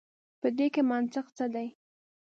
په دې کي منطق څه دی.